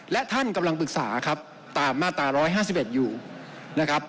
และท่านกำลังปรึกษาครับตามมาตรา๑๕๑อยู่นะครับ